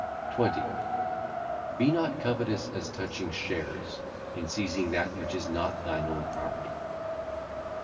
20. Be not covetous as touching shares, in seizing that which is not thine own property.